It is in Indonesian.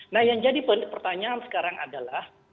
nah yang jadi pertanyaan sekarang adalah